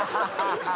ハハハハ！